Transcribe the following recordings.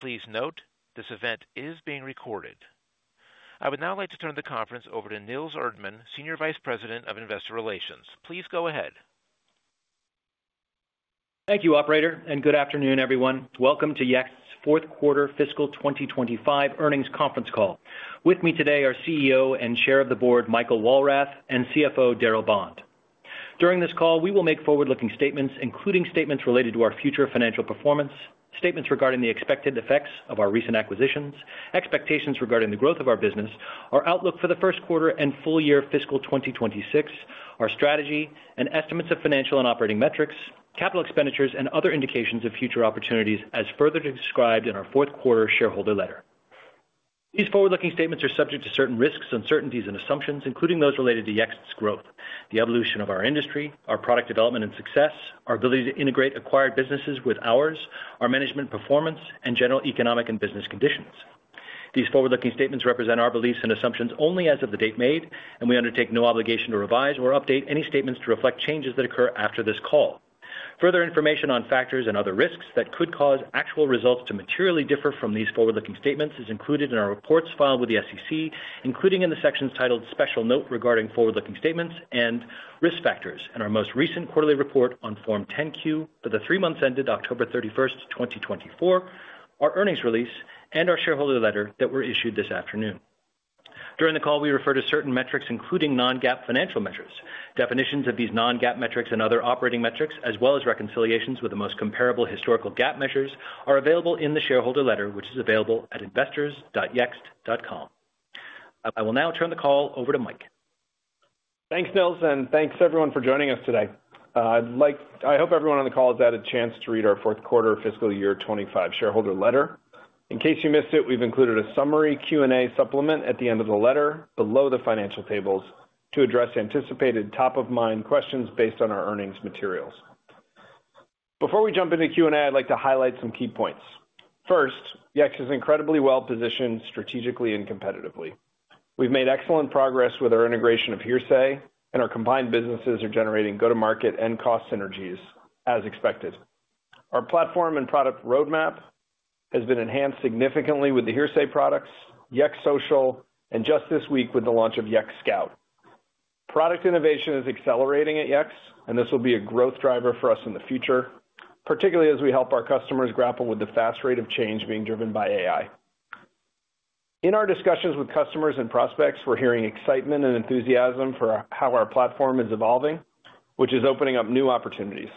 Please note, this event is being recorded. I would now like to turn the conference over to Nils Erdmann, Senior Vice President of Investor Relations. Please go ahead. Thank you, Operator, and good afternoon, everyone. Welcome to Yext's Q4 Fiscal 2025 Earnings Conference Call. With me today are CEO and Chair of the Board Michael Walrath and CFO Darryl Bond. During this call, we will make forward-looking statements, including statements related to our future financial performance, statements regarding the expected effects of our recent acquisitions, expectations regarding the growth of our business, our outlook for the Q1 and full year Fiscal 2026, our strategy, and estimates of financial and operating metrics, capital expenditures, and other indications of future opportunities, as further described in our Q4 Shareholder Letter. These forward-looking statements are subject to certain risks, uncertainties, and assumptions, including those related to Yext's growth, the evolution of our industry, our product development and success, our ability to integrate acquired businesses with ours, our management performance, and general economic and business conditions. These forward-looking statements represent our beliefs and assumptions only as of the date made, and we undertake no obligation to revise or update any statements to reflect changes that occur after this call. Further information on factors and other risks that could cause actual results to materially differ from these forward-looking statements is included in our reports filed with the SEC, including in the sections titled Special Note Regarding Forward-Looking Statements and Risk Factors, and our most recent quarterly report on Form 10-Q for the three months ended October 31, 2024, our earnings release, and our shareholder letter that were issued this afternoon. During the call, we refer to certain metrics, including non-GAAP financial measures. Definitions of these non-GAAP metrics and other operating metrics, as well as reconciliations with the most comparable historical GAAP measures, are available in the shareholder letter, which is available at investors.yext.com. I will now turn the call over to Mike. Thanks, Nils, and thanks everyone for joining us today. I hope everyone on the call has had a chance to read our Q4 Fiscal Year 2025 Shareholder Letter. In case you missed it, we've included a summary Q&A supplement at the end of the letter below the financial tables to address anticipated top-of-mind questions based on our earnings materials. Before we jump into Q&A, I'd like to highlight some key points. First, Yext is incredibly well-positioned strategically and competitively. We've made excellent progress with our integration of Hearsay, and our combined businesses are generating go-to-market and cost synergies as expected. Our platform and product roadmap has been enhanced significantly with the Hearsay products, Yext Social, and just this week with the launch of Yext Scout. Product innovation is accelerating at Yext, and this will be a growth driver for us in the future, particularly as we help our customers grapple with the fast rate of change being driven by AI. In our discussions with customers and prospects, we're hearing excitement and enthusiasm for how our platform is evolving, which is opening up new opportunities.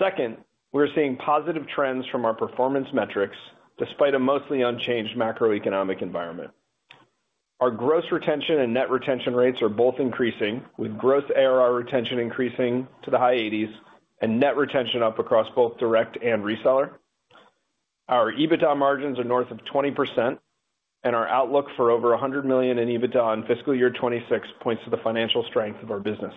Second, we're seeing positive trends from our performance metrics despite a mostly unchanged macroeconomic environment. Our gross retention and net retention rates are both increasing, with gross ARR retention increasing to the high 80s and net retention up across both direct and reseller. Our EBITDA margins are north of 20%, and our outlook for over $100 million in EBITDA in Fiscal Year 2026 points to the financial strength of our business.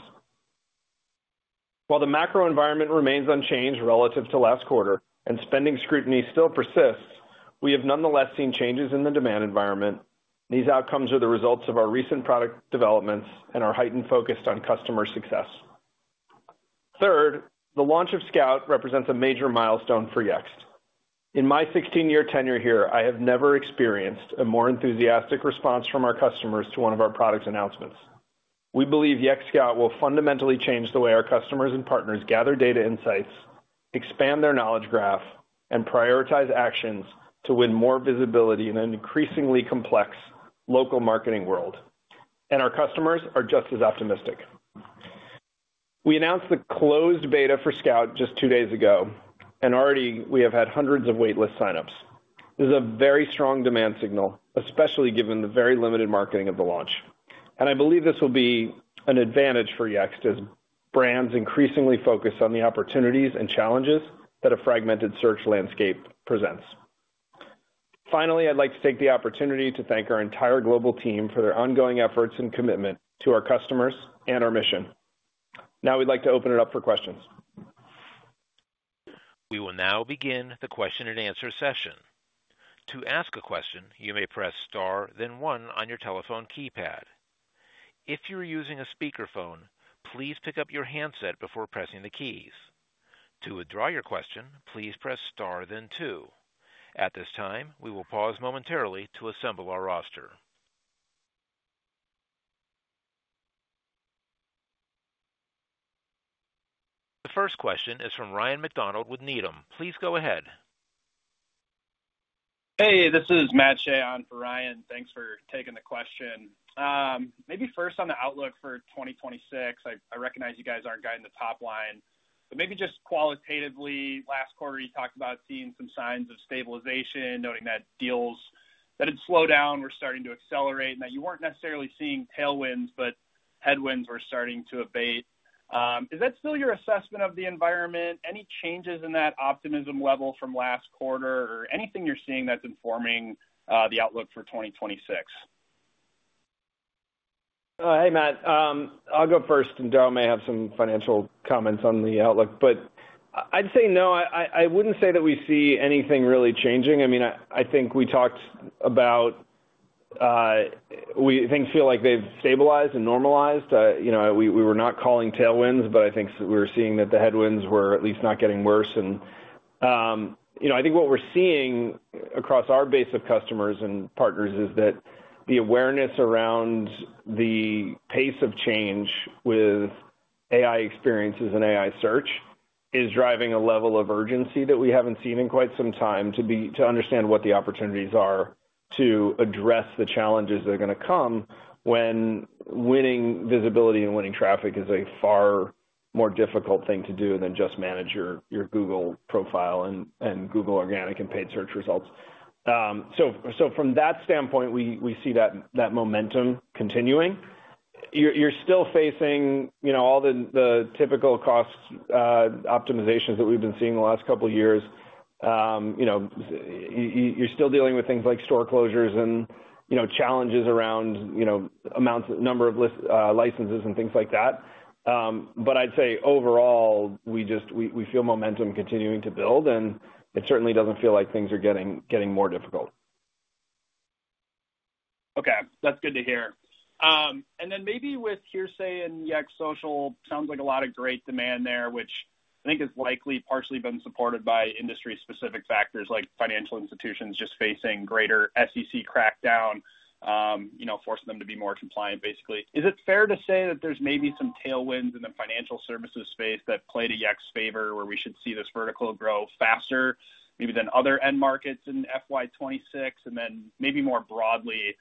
While the macro environment remains unchanged relative to last quarter and spending scrutiny still persists, we have nonetheless seen changes in the demand environment. These outcomes are the results of our recent product developments and our heightened focus on customer success. Third, the launch of Scout represents a major milestone for Yext. In my 16-year tenure here, I have never experienced a more enthusiastic response from our customers to one of our product announcements. We believe Yext Scout will fundamentally change the way our customers and partners gather data insights, expand their knowledge graph, and prioritize actions to win more visibility in an increasingly complex local marketing world. Our customers are just as optimistic. We announced the closed beta for Scout just two days ago, and already we have had hundreds of waitlist signups. This is a very strong demand signal, especially given the very limited marketing of the launch. I believe this will be an advantage for Yext as brands increasingly focus on the opportunities and challenges that a fragmented search landscape presents. Finally, I'd like to take the opportunity to thank our entire global team for their ongoing efforts and commitment to our customers and our mission. Now we'd like to open it up for questions. We will now begin the question-and-answer session. To ask a question, you may press star, then one on your telephone keypad. If you're using a speakerphone, please pick up your handset before pressing the keys. To withdraw your question, please press star, then two. At this time, we will pause momentarily to assemble our roster. The first question is from Ryan MacDonald with Needham. Please go ahead. Hey, this is Matt Shea on for Ryan. Thanks for taking the question. Maybe first on the outlook for 2026, I recognize you guys aren't guiding the top line, but maybe just qualitatively, last quarter you talked about seeing some signs of stabilization, noting that deals that had slowed down were starting to accelerate and that you weren't necessarily seeing tailwinds, but headwinds were starting to abate. Is that still your assessment of the environment? Any changes in that optimism level from last quarter or anything you're seeing that's informing the outlook for 2026? Hey, Matt. I'll go first, and Darryl may have some financial comments on the outlook, but I'd say no. I wouldn't say that we see anything really changing. I mean, I think we talked about we things feel like they've stabilized and normalized. We were not calling tailwinds, but I think we were seeing that the headwinds were at least not getting worse. I think what we're seeing across our base of customers and partners is that the awareness around the pace of change with AI experiences and AI search is driving a level of urgency that we haven't seen in quite some time to understand what the opportunities are to address the challenges that are going to come when winning visibility and winning traffic is a far more difficult thing to do than just manage your Google profile and Google organic and paid search results. From that standpoint, we see that momentum continuing. You're still facing all the typical cost optimizations that we've been seeing the last couple of years. You're still dealing with things like store closures and challenges around number of licenses and things like that. I'd say overall, we feel momentum continuing to build, and it certainly doesn't feel like things are getting more difficult. Okay. That's good to hear. Maybe with Hearsay and Yext Social, it sounds like a lot of great demand there, which I think has likely partially been supported by industry-specific factors like financial institutions just facing greater SEC crackdown, forcing them to be more compliant, basically. Is it fair to say that there's maybe some tailwinds in the financial services space that played to Yext's favor where we should see this vertical grow faster maybe than other end markets in FY26? Maybe more broadly,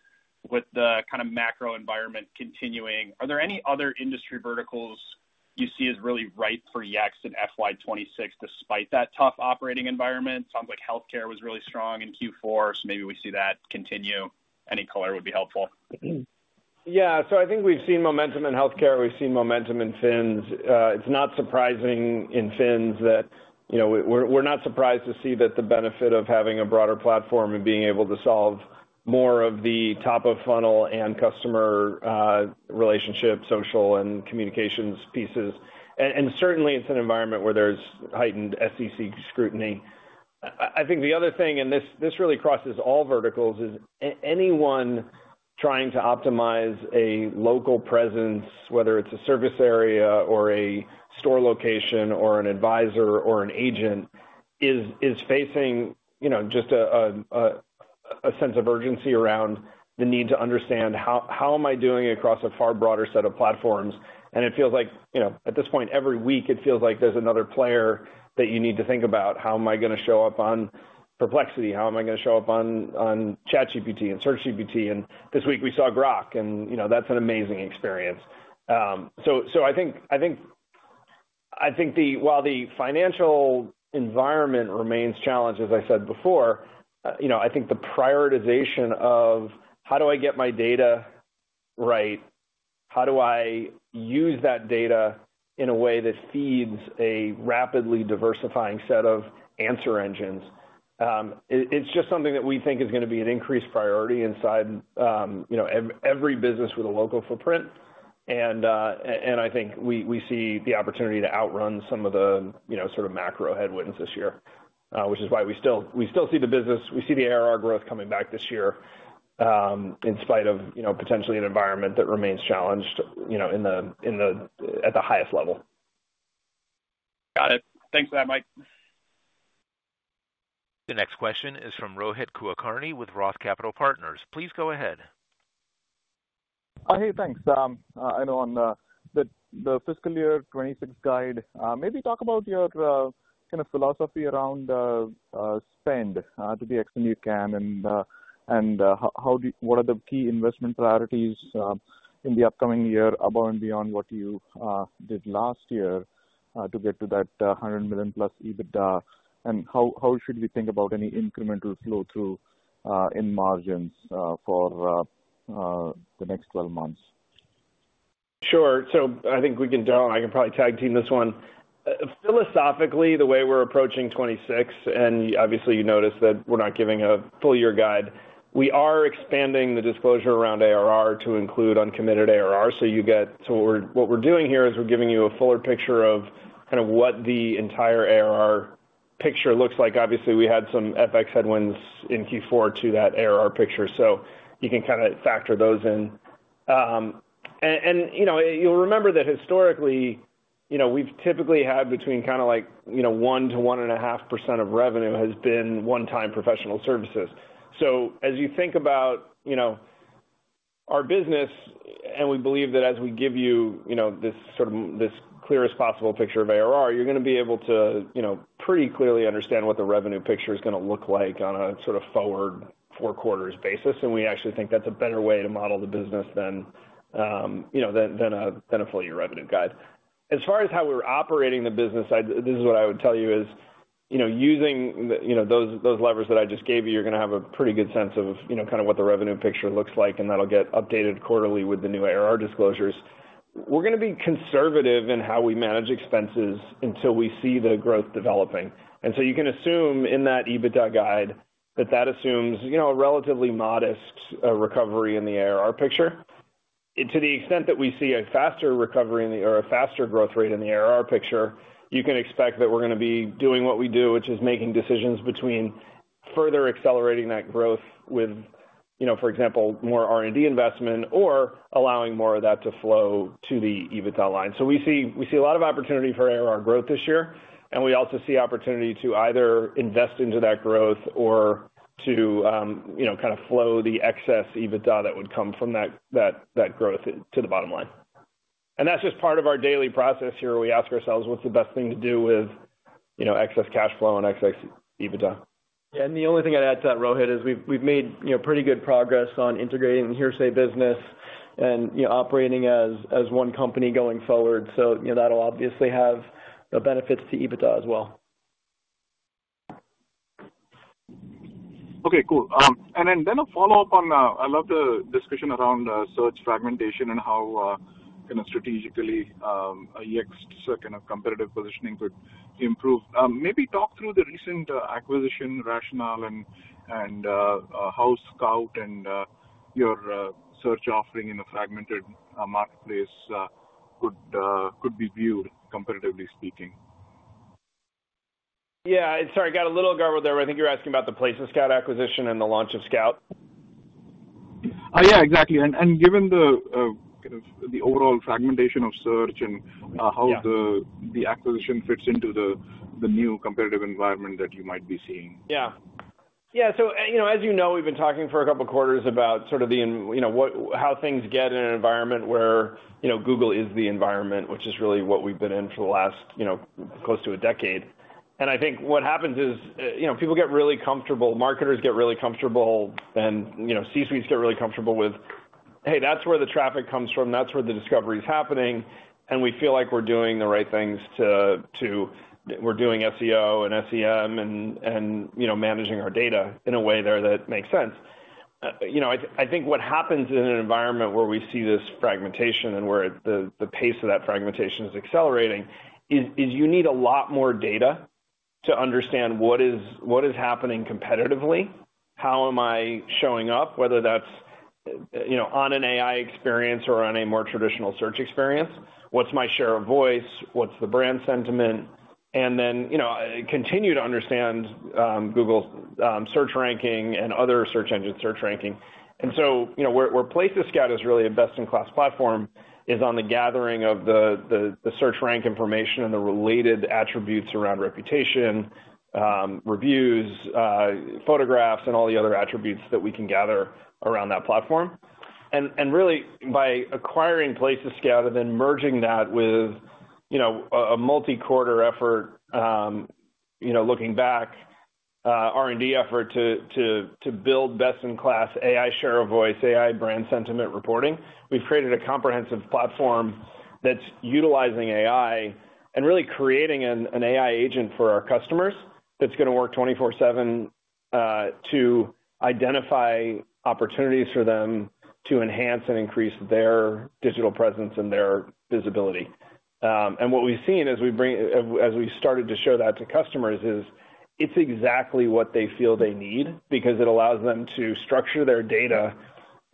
with the kind of macro environment continuing, are there any other industry verticals you see as really ripe for Yext in FY26 despite that tough operating environment? Sounds like healthcare was really strong in Q4, so maybe we see that continue. Any color would be helpful. Yeah. I think we've seen momentum in healthcare. We've seen momentum in fins. It's not surprising in fins that we're not surprised to see that the benefit of having a broader platform and being able to solve more of the top-of-funnel and customer relationship, social and communications pieces. Certainly, it's an environment where there's heightened SEC scrutiny. I think the other thing, and this really crosses all verticals, is anyone trying to optimize a local presence, whether it's a service area or a store location or an advisor or an agent, is facing just a sense of urgency around the need to understand how am I doing across a far broader set of platforms. It feels like at this point, every week, it feels like there's another player that you need to think about. How am I going to show up on Perplexity? How am I going to show up on ChatGPT and SearchGPT? This week we saw Grok, and that's an amazing experience. I think while the financial environment remains challenged, as I said before, I think the prioritization of how do I get my data right, how do I use that data in a way that feeds a rapidly diversifying set of answer engines, is just something that we think is going to be an increased priority inside every business with a local footprint. I think we see the opportunity to outrun some of the sort of macro headwinds this year, which is why we still see the business. We see the ARR growth coming back this year in spite of potentially an environment that remains challenged at the highest level. Got it. Thanks for that, Mike. The next question is from Rohit Kulkarni with Roth Capital Partners. Please go ahead. Hey, thanks. I know on the Fiscal Year 2026 guide, maybe talk about your kind of philosophy around spend to the extent you can and what are the key investment priorities in the upcoming year above and beyond what you did last year to get to that $100 million plus EBITDA? How should we think about any incremental flow-through in margins for the next 12 months? Sure. I think we can, Darryl, I can probably tag team this one. Philosophically, the way we're approaching 2026, and obviously you noticed that we're not giving a full-year guide, we are expanding the disclosure around ARR to include uncommitted ARR. What we're doing here is we're giving you a fuller picture of kind of what the entire ARR picture looks like. Obviously, we had some FX headwinds in Q4 to that ARR picture, so you can kind of factor those in. You'll remember that historically, we've typically had between kind of like 1% to 1.5% of revenue has been one-time professional services. As you think about our business, and we believe that as we give you this sort of clearest possible picture of ARR, you're going to be able to pretty clearly understand what the revenue picture is going to look like on a sort of forward four quarters basis. We actually think that's a better way to model the business than a full-year revenue guide. As far as how we're operating the business, this is what I would tell you is using those levers that I just gave you, you're going to have a pretty good sense of kind of what the revenue picture looks like, and that'll get updated quarterly with the new ARR disclosures. We're going to be conservative in how we manage expenses until we see the growth developing. You can assume in that EBITDA guide that that assumes a relatively modest recovery in the ARR picture. To the extent that we see a faster recovery or a faster growth rate in the ARR picture, you can expect that we're going to be doing what we do, which is making decisions between further accelerating that growth with, for example, more R&D investment or allowing more of that to flow to the EBITDA line. We see a lot of opportunity for ARR growth this year, and we also see opportunity to either invest into that growth or to kind of flow the excess EBITDA that would come from that growth to the bottom line. That is just part of our daily process here. We ask ourselves what's the best thing to do with excess cash flow and excess EBITDA. Yeah. The only thing I'd add to that, Rohit, is we've made pretty good progress on integrating the Hearsay business and operating as one company going forward. That will obviously have the benefits to EBITDA as well. Okay. Cool. Then a follow-up on I love the discussion around search fragmentation and how kind of strategically Yext's kind of competitive positioning could improve. Maybe talk through the recent acquisition rationale and how Scout and your search offering in a fragmented marketplace could be viewed, competitively speaking. Yeah. Sorry, I got a little garbled there, but I think you're asking about the Places Scout acquisition and the launch of Scout. Yeah, exactly. Given the overall fragmentation of search and how the acquisition fits into the new competitive environment that you might be seeing. Yeah. Yeah. As you know, we've been talking for a couple of quarters about sort of how things get in an environment where Google is the environment, which is really what we've been in for the last close to a decade. I think what happens is people get really comfortable, marketers get really comfortable, and C-suites get really comfortable with, "Hey, that's where the traffic comes from. That's where the discovery is happening." We feel like we're doing the right things to we're doing SEO and SEM and managing our data in a way there that makes sense. I think what happens in an environment where we see this fragmentation and where the pace of that fragmentation is accelerating is you need a lot more data to understand what is happening competitively, how am I showing up, whether that's on an AI experience or on a more traditional search experience, what's my share of voice, what's the brand sentiment, and then continue to understand Google's search ranking and other search engine search ranking. Where Places Scout is really a best-in-class platform is on the gathering of the search rank information and the related attributes around reputation, reviews, photographs, and all the other attributes that we can gather around that platform. By acquiring Places Scout and then merging that with a multi-quarter effort, looking back, R&D effort to build best-in-class AI share of voice, AI brand sentiment reporting, we've created a comprehensive platform that's utilizing AI and really creating an AI agent for our customers that's going to work 24/7 to identify opportunities for them to enhance and increase their digital presence and their visibility. What we've seen as we started to show that to customers is it's exactly what they feel they need because it allows them to structure their data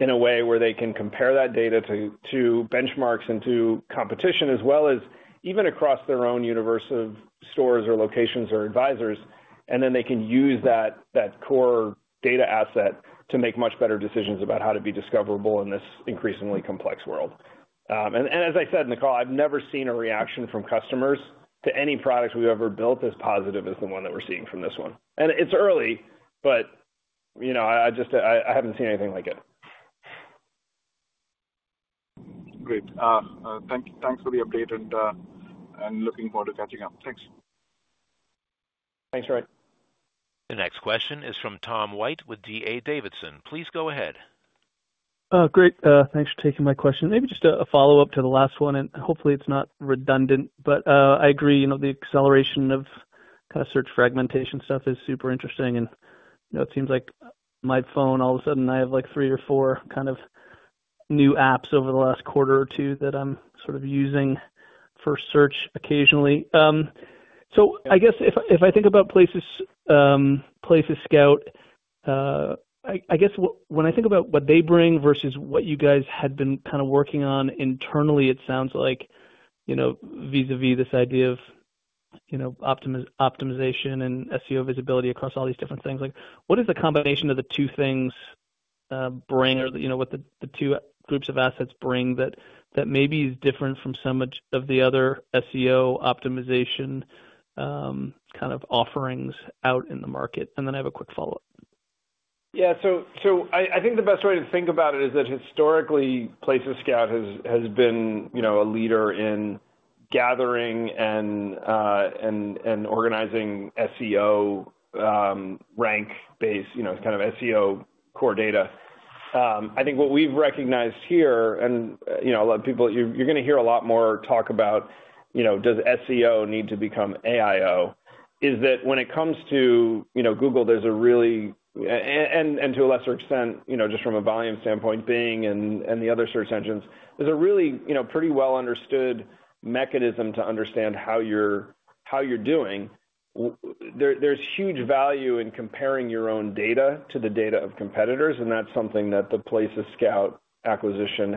in a way where they can compare that data to benchmarks and to competition as well as even across their own universe of stores or locations or advisors, and then they can use that core data asset to make much better decisions about how to be discoverable in this increasingly complex world. As I said in the call, I've never seen a reaction from customers to any product we've ever built as positive as the one that we're seeing from this one. It's early, but I haven't seen anything like it. Great. Thanks for the update and looking forward to catching up. Thanks. Thanks, Rohit. The next question is from Tom White with D.A. Davidson. Please go ahead. Great. Thanks for taking my question. Maybe just a follow-up to the last one, and hopefully it's not redundant, but I agree the acceleration of kind of search fragmentation stuff is super interesting. It seems like my phone, all of a sudden, I have like three or four kind of new apps over the last quarter or two that I'm sort of using for search occasionally. I guess if I think about Places Scout, I guess when I think about what they bring versus what you guys had been kind of working on internally, it sounds like vis-à-vis this idea of optimization and SEO visibility across all these different things, what does the combination of the two things bring or what the two groups of assets bring that maybe is different from some of the other SEO optimization kind of offerings out in the market? I have a quick follow-up. Yeah. I think the best way to think about it is that historically, Places Scout has been a leader in gathering and organizing SEO rank-based kind of SEO core data. I think what we've recognized here, and a lot of people, you're going to hear a lot more talk about, does SEO need to become AIO, is that when it comes to Google, there's a really, and to a lesser extent, just from a volume standpoint, Bing and the other search engines, there's a really pretty well-understood mechanism to understand how you're doing. There's huge value in comparing your own data to the data of competitors, and that's something that the Places Scout acquisition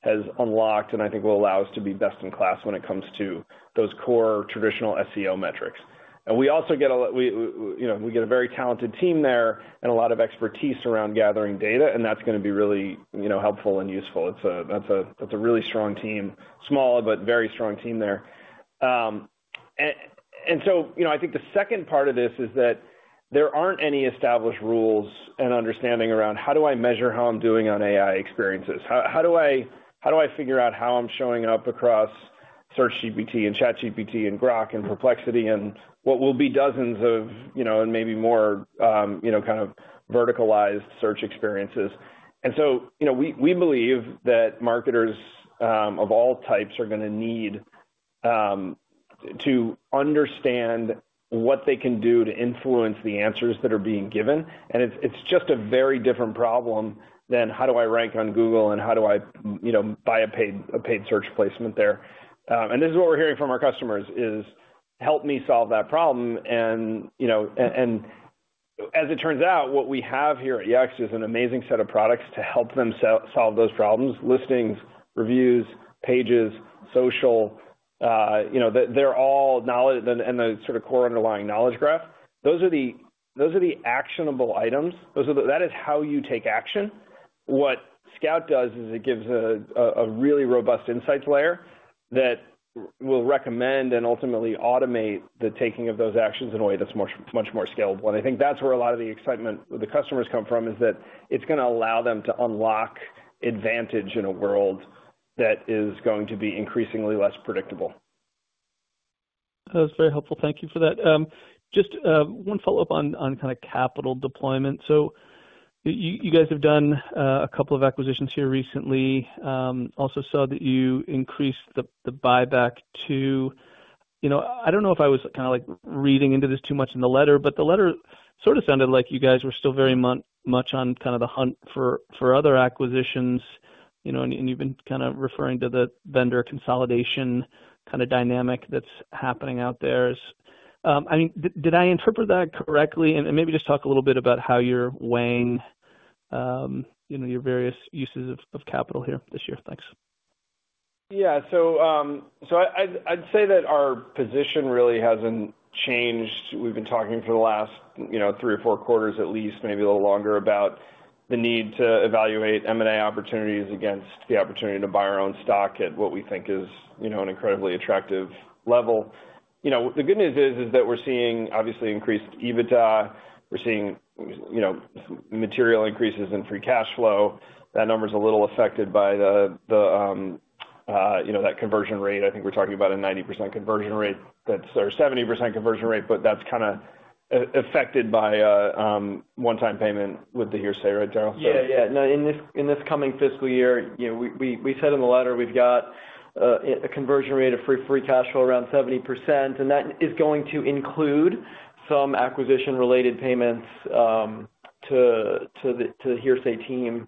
has unlocked and I think will allow us to be best in class when it comes to those core traditional SEO metrics. We also get a very talented team there and a lot of expertise around gathering data, and that's going to be really helpful and useful. That's a really strong team, small but very strong team there. I think the second part of this is that there aren't any established rules and understanding around how do I measure how I'm doing on AI experiences? How do I figure out how I'm showing up across SearchGPT and ChatGPT and Grok and Perplexity and what will be dozens of and maybe more kind of verticalized search experiences? We believe that marketers of all types are going to need to understand what they can do to influence the answers that are being given. It is just a very different problem than how do I rank on Google and how do I buy a paid search placement there? This is what we are hearing from our customers: "Help me solve that problem." As it turns out, what we have here at Yext is an amazing set of products to help them solve those problems: Listings, Reviews, Pages, Social. They are all knowledge and the sort of core underlying Knowledge Graph. Those are the actionable items. That is how you take action. What Scout does is it gives a really robust insights layer that will recommend and ultimately automate the taking of those actions in a way that is much more scalable. I think that's where a lot of the excitement with the customers comes from is that it's going to allow them to unlock advantage in a world that is going to be increasingly less predictable. That was very helpful. Thank you for that. Just one follow-up on kind of capital deployment. You guys have done a couple of acquisitions here recently. I also saw that you increased the buyback to—I do not know if I was kind of reading into this too much in the letter, but the letter sort of sounded like you guys were still very much on kind of the hunt for other acquisitions. You have been kind of referring to the vendor consolidation kind of dynamic that is happening out there. I mean, did I interpret that correctly? Maybe just talk a little bit about how you are weighing your various uses of capital here this year. Thanks. Yeah. I'd say that our position really hasn't changed. We've been talking for the last three or four quarters at least, maybe a little longer, about the need to evaluate M&A opportunities against the opportunity to buy our own stock at what we think is an incredibly attractive level. The good news is that we're seeing obviously increased EBITDA. We're seeing material increases in free cash flow. That number is a little affected by that conversion rate. I think we're talking about a 90% conversion rate or 70% conversion rate, but that's kind of affected by one-time payment with the Hearsay, right, Darryl? Yeah. Yeah. In this coming fiscal year, we said in the letter we've got a conversion rate of free cash flow around 70%, and that is going to include some acquisition-related payments to the Hearsay team.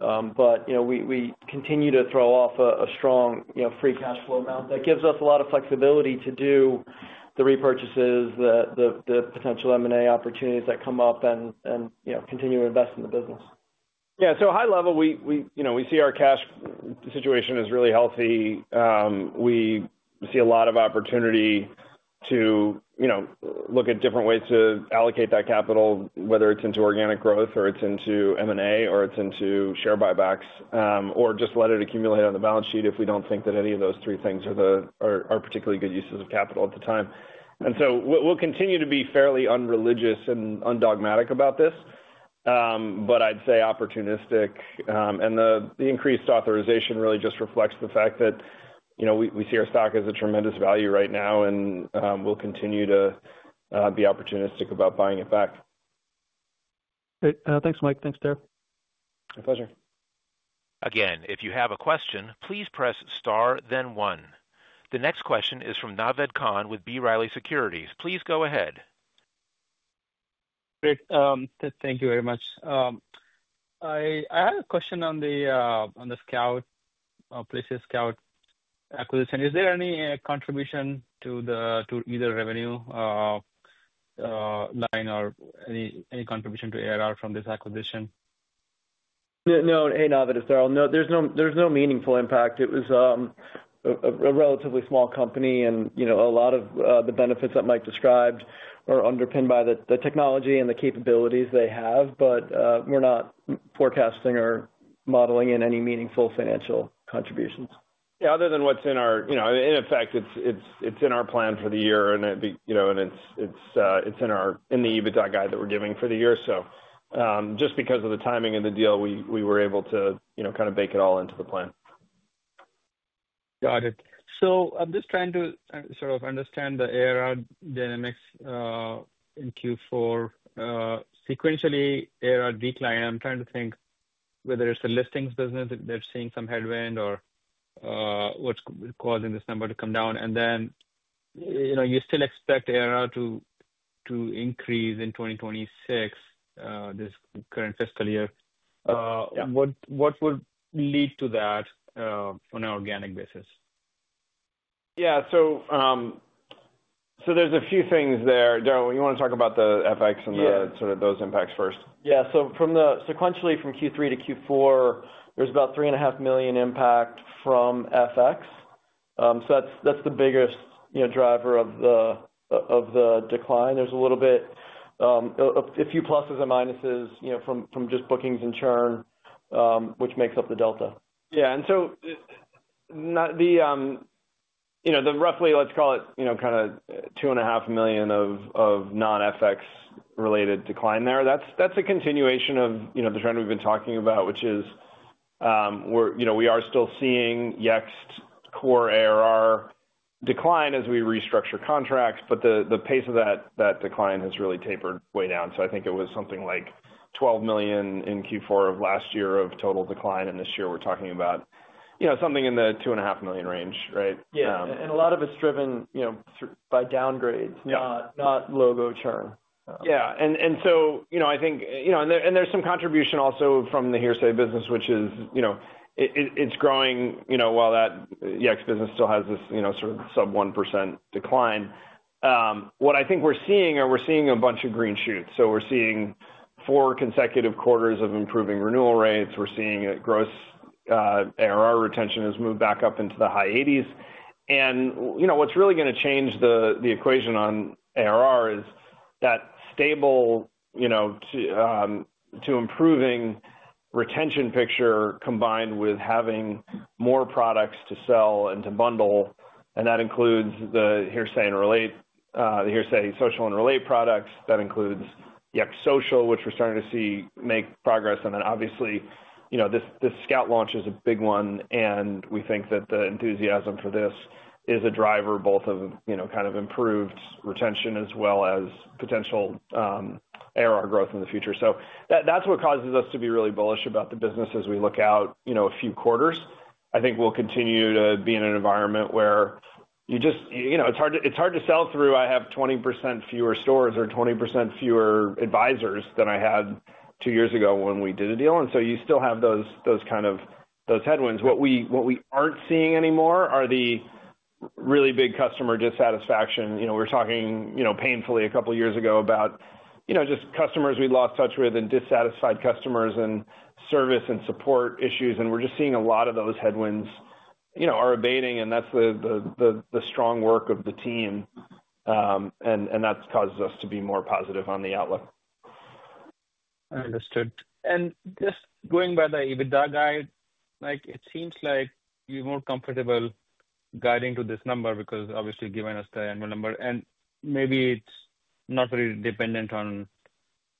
We continue to throw off a strong free cash flow amount. That gives us a lot of flexibility to do the repurchases, the potential M&A opportunities that come up, and continue to invest in the business. Yeah. High level, we see our cash situation is really healthy. We see a lot of opportunity to look at different ways to allocate that capital, whether it's into organic growth or it's into M&A or it's into share buybacks or just let it accumulate on the balance sheet if we don't think that any of those three things are particularly good uses of capital at the time. We will continue to be fairly unreligious and undogmatic about this, but I'd say opportunistic. The increased authorization really just reflects the fact that we see our stock as a tremendous value right now, and we'll continue to be opportunistic about buying it back. Great. Thanks, Mike. Thanks, Darryl. My pleasure. Again, if you have a question, please press star, then one. The next question is from Naved Khan with B. Riley Securities. Please go ahead. Great. Thank you very much. I had a question on the Scout, Places Scout acquisition. Is there any contribution to either revenue line or any contribution to ARR from this acquisition? No. Hey, Naved, it's Darryl. There's no meaningful impact. It was a relatively small company, and a lot of the benefits that Mike described are underpinned by the technology and the capabilities they have, but we're not forecasting or modeling in any meaningful financial contributions. Yeah. Other than what's in our—in effect, it's in our plan for the year, and it's in the EBITDA guide that we're giving for the year. Just because of the timing of the deal, we were able to kind of bake it all into the plan. Got it. I'm just trying to sort of understand the ARR dynamics in Q4. Sequentially, ARR declined. I'm trying to think whether it's the Listings business that they're seeing some headwind or what's causing this number to come down. You still expect ARR to increase in 2026, this current fiscal year. What would lead to that on an organic basis? Yeah. So there's a few things there. Darryl, you want to talk about the FX and sort of those impacts first? Yeah. Sequentially, from Q3 to Q4, there is about $3.5 million impact from FX. That is the biggest driver of the decline. There is a little bit—a few pluses and minuses from just bookings and churn, which makes up the delta. Yeah. The roughly, let's call it kind of $2.5 million of non-FX-related decline there, that's a continuation of the trend we've been talking about, which is we are still seeing Yext's core ARR decline as we restructure contracts, but the pace of that decline has really tapered way down. I think it was something like $12 million in Q4 of last year of total decline, and this year we're talking about something in the $2.5 million range, right? Yeah. A lot of it's driven by downgrades, not logo churn. Yeah. I think there is some contribution also from the Hearsay business, which is growing while that Yext business still has this sort of sub 1% decline. What I think we're seeing is a bunch of green shoots. We're seeing four consecutive quarters of improving renewal rates. We're seeing that gross ARR retention has moved back up into the high 80s. What's really going to change the equation on ARR is that stable to improving retention picture combined with having more products to sell and to bundle. That includes the Hearsay and Relate, the Hearsay Social and Relate products. That includes Yext Social, which we're starting to see make progress. Obviously, this Scout launch is a big one, and we think that the enthusiasm for this is a driver both of kind of improved retention as well as potential ARR growth in the future. That is what causes us to be really bullish about the business as we look out a few quarters. I think we will continue to be in an environment where it is hard to sell through, "I have 20% fewer stores or 20% fewer advisors than I had two years ago when we did a deal." You still have those kind of headwinds. What we are not seeing anymore are the really big customer dissatisfaction. We were talking painfully a couple of years ago about just customers we had lost touch with and dissatisfied customers and service and support issues. We are just seeing a lot of those headwinds are abating, and that is the strong work of the team, and that has caused us to be more positive on the outlook. I understood. Just going by the EBITDA guide, it seems like you're more comfortable guiding to this number because obviously, given us the annual number, and maybe it's not very dependent on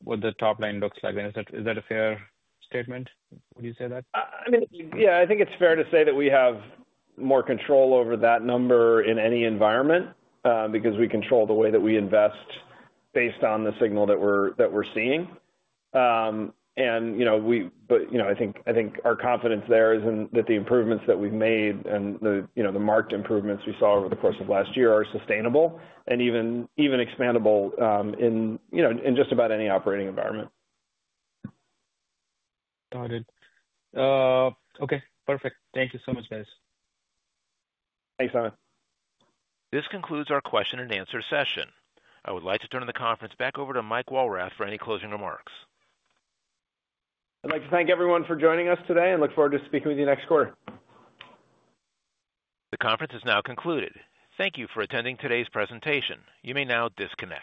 what the top line looks like. Is that a fair statement? Would you say that? I mean, yeah, I think it's fair to say that we have more control over that number in any environment because we control the way that we invest based on the signal that we're seeing. I think our confidence there is that the improvements that we've made and the marked improvements we saw over the course of last year are sustainable and even expandable in just about any operating environment. Got it. Okay. Perfect. Thank you so much, guys. Thanks, Naved. This concludes our question-and-answer session. I would like to turn the conference back over to Mike Walrath for any closing remarks. I'd like to thank everyone for joining us today and look forward to speaking with you next quarter. The conference is now concluded. Thank you for attending today's presentation. You may now disconnect.